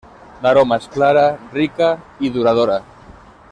L'aroma és clara, rica i duradora.